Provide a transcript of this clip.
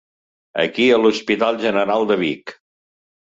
Aquí a l'Hospital General de Vic.